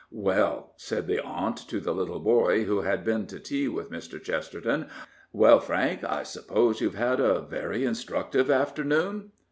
" Well," said the aunt to the little boy who had been to tea with Mr. Chesterton, —" well, Frank, I suppose you have had a very in structive afternoon